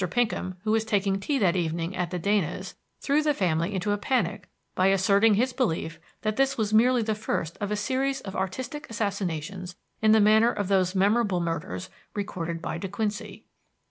Pinkham, who was taking tea that evening at the Danas', threw the family into a panic by asserting his belief that this was merely the first of a series of artistic assassinations in the manner of those Memorable Murders recorded by De Quincey.